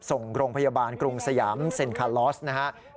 ส่งโรงพยาบาลกรุงสยามเซ็นคาลอสนะครับ